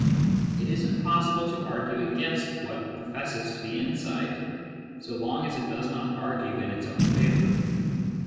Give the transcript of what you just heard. It is impossible to argue against what professes to be insight, so long as it does not argue in its own favour.